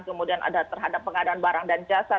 kemudian ada terhadap pengadaan barang dan jasa